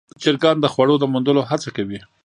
چرګان د خوړو د موندلو هڅه کوي.